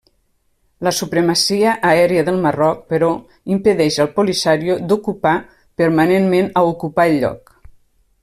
La supremacia aèria del Marroc, però, impedeix al Polisario d'ocupar permanentment a ocupar el lloc.